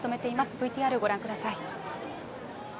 ＶＴＲご覧ください。